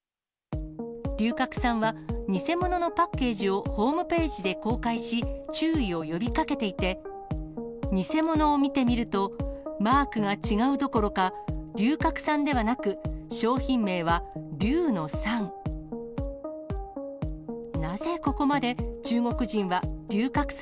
龍角散は、偽物のパッケージをホームページで公開し、注意を呼びかけていて、偽物を見てみると、マークが違うどころか、龍角散ではなく、商品名は龍の散。